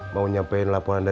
mau nyampein laporan